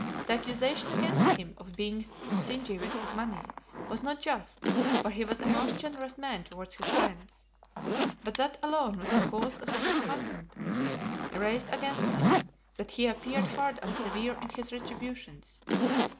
The accusation against him, of being stingy with his money, was not just, for he was a most generous man towards his friends. But that alone was the cause of the discontent raised against him, that he appeared hard and severe in his retributions.